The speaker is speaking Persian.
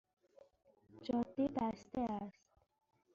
جاده بسته است